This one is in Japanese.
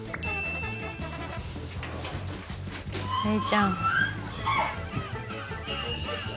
怜ちゃん。